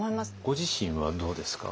ご自身はどうですか？